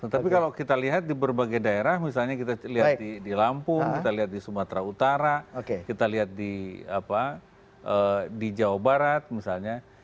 tapi kalau kita lihat di berbagai daerah misalnya kita lihat di lampung kita lihat di sumatera utara kita lihat di jawa barat misalnya